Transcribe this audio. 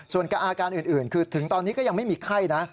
ส่วนกับอาการอื่นคือถึงตอนนี้ก็ยังไม่มีไข้นะ